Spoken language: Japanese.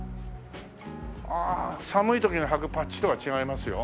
ああ寒い時にはくパッチとは違いますよ。